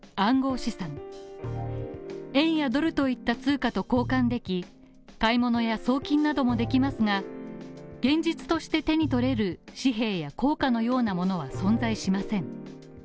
資産円やドルといった通貨と交換でき、買い物や送金などもできますが現実として手に取れる紙幣や硬貨のようなものは存在しません。